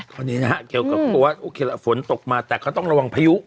คนนี้นะฮะเกี่ยวกับตัวว่าโอเคละฝนตกมาแต่เขาต้องระวังพายุ